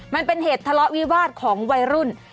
มันเป็นเหตุทะเลาะวิวาสของวัยรุ่น